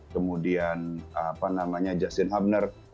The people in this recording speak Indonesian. kemudian apa namanya justin humner